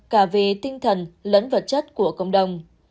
cả về tinh thần lẫn vật chất của cộng đồng